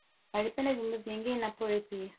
Alipenda viumbe wengine wa pori pia